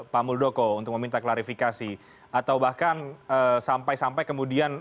pak muldoko untuk meminta klarifikasi atau bahkan sampai sampai kemudian